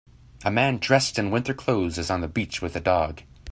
A man dressed in winter clothes is on the beach wiht a dog.